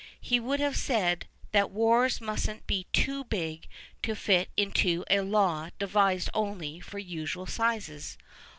He would have said that wars mustn't be too big to fit into a law devised only for usual sizes.